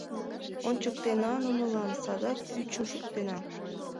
Ончыктена нунылан, садак ӱчым шуктена!